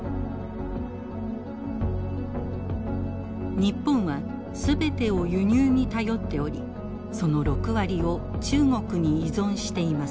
日本は全てを輸入に頼っておりその６割を中国に依存しています。